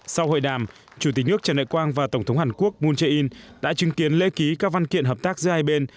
sau hội đàm chủ tịch nước trần đại quang và tổng thống hàn quốc moon jae in đã chứng kiến lễ ký các văn kiện hợp tác giữa hai bên